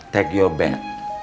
take your bag